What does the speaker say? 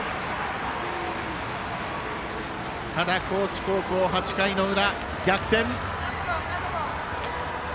高知高校、８回の裏、逆転。